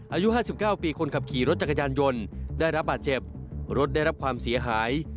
อายุ๕๙ปีคนขับขี่รถจักรยานยนต์ได้รับบาดเจ็บรถได้รับความเสียหาย